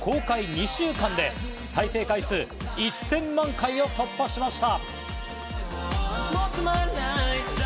２週間で再生回数１０００万回を突破しました。